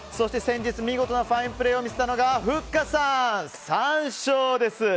先日見事なファインプレーを見せたのが、ふっかさん３勝です。